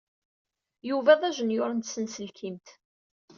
Yuba d ajenyuṛ n tsenselkimt.